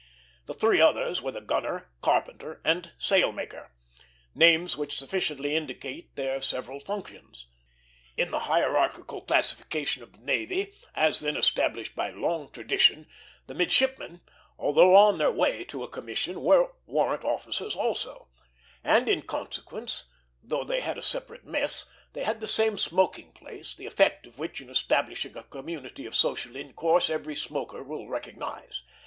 The three others were the gunner, carpenter, and sailmaker, names which sufficiently indicate their several functions. In the hierarchical classification of the navy, as then established by long tradition, the midshipmen, although on their way to a commission, were warrant officers also; and in consequence, though they had a separate mess, they had the same smoking place, the effect of which in establishing a community of social intercourse every smoker will recognize.